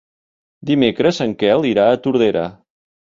Dimecres en Quel irà a Tordera.